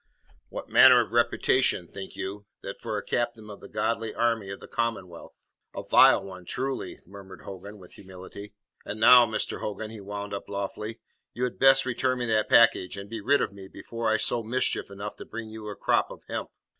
"What manner of reputation, think you, that for a captain of the godly army of the Commonwealth?" "A vile one, truly," murmured Hogan with humility. "And now, Mr. Hogan," he wound up loftily, "you had best return me that package, and be rid of me before I sow mischief enough to bring you a crop of hemp."